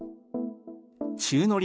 宙乗り